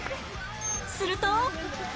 すると